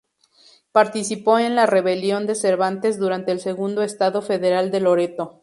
Participó en la rebelión de Cervantes durante el Segundo Estado Federal de Loreto.